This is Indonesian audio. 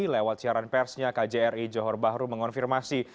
lewat siaran persnya kjri johor bahru mengonfirmasi